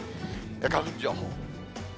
花粉情報。